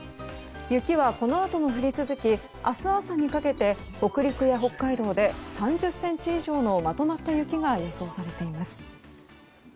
雪はこのあとも降り続き明日朝にかけて北陸や北海道で３０ｃｍ以上のまとまった雪が予想されています。